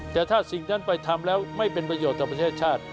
แต่ถ้าสิ่งนั้นไปทำแล้วไม่เป็นประโยชน์ต่อประเทศชาติ